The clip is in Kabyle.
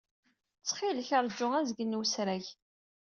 Ttxil-k, ṛju azgen n wesrag.